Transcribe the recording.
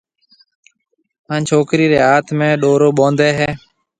ھان ڇوڪرِي رَي ھاٿ ۾ ڏورو ٻونڌَي ھيََََ